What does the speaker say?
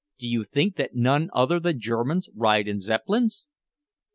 "Do you think that none other than Germans ride in Zeppelins?"